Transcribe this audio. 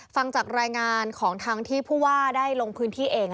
ฟังจากรายงานของทางที่ผู้ว่าได้ลงพื้นที่เอง